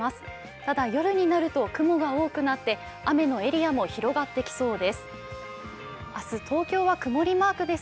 ただ、夜になると雲が多くなって雨のエリアも広がってきそうです。